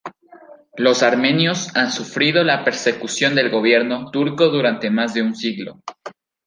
Los armenios han sufrido la persecución del gobierno turco durante más de un siglo.